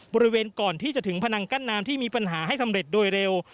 บริเวณก่อนที่จะถึงพนังกั้นน้ำที่มีปัญหาให้สำเร็จโดยเร็ว